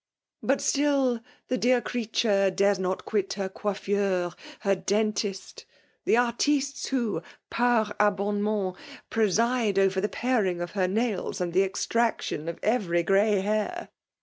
But still the dear creature dares not quit her cocffeur, her dentist, — the ar^f^s urfio, par aionTwment, preside over the paring of her nails and the extraction of every gray hair.